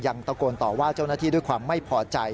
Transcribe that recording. ตะโกนต่อว่าเจ้าหน้าที่ด้วยความไม่พอใจ